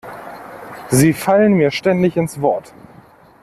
Sie fallen mir ständig ins Wort.